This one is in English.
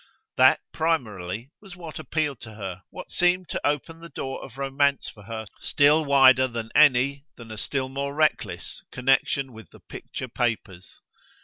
That, primarily, was what appealed to her, what seemed to open the door of romance for her still wider than any, than a still more reckless, connexion with the "picture papers."